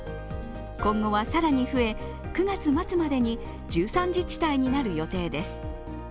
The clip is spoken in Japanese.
今後は更に増え、９月末までに１３自治体になる予定です。